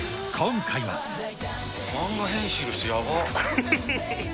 漫画編集の人、やばっ。